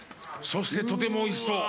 そしてとてもおいしそう。